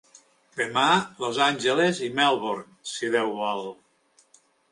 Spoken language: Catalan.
Demà, Los Angeles i Melbourne, si Déu vol.